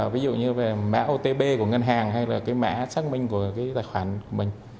ví dụ như về mã otb của ngân hàng hay là cái mã xác minh của cái tài khoản của mình